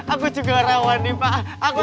aku juga rawan nih pak